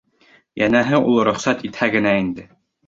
Йәнәһе, ул рөхсәт итһә генә инде.